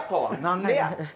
何でや。